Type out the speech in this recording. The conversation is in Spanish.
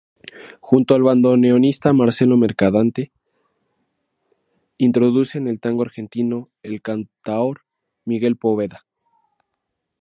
Junto al bandoneonista Marcelo Mercadante, introduce en el tango argentino al cantaor Miguel Poveda.